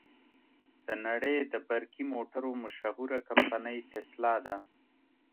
د نړې د برقی موټرو مشهوره کمپنۍ ټسلا ده.